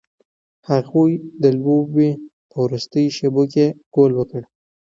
هغوی د لوبې په وروستیو شیبو کې ګول وکړ.